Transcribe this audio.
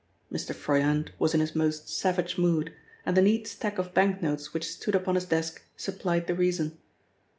Mr. Froyant was in his most savage mood, and the neat stack of bank notes which stood upon his desk supplied the reason.